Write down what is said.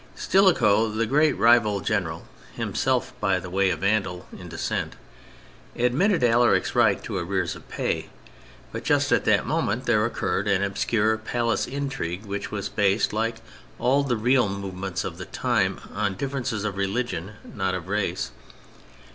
Stilicho, the great rival general (himself, by the way, a Vandal in descent), admitted Alaric's right to arrears of pay, but just at that moment there occurred an obscure palace intrigue which was based, like all the real movements of the time, on differences of religion, not of race.